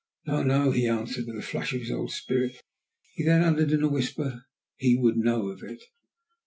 "No, no," he answered, with a flash of his old spirit; then he added in a whisper, "He would know of it!"